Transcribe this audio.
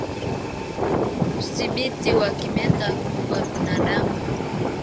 Udhibiti wa kimeta kwa binadamu